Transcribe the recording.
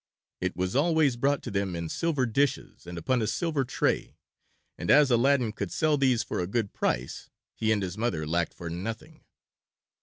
It was always brought to them in silver dishes and upon a silver tray, and as Aladdin could sell these for a good price he and his mother lacked for nothing.